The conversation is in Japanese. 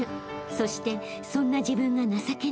［そしてそんな自分が情けない］